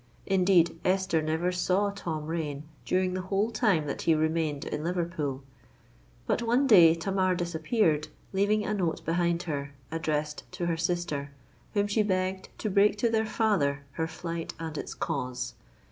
Indeed, Esther never saw Tom Rain during the whole time that he remained in Liverpool. But one day Tamar disappeared, leaving a note behind her, addressed to her sister, whom she begged to break to their father her flight and its cause.